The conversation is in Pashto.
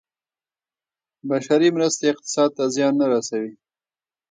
بشري مرستې اقتصاد ته زیان نه رسوي.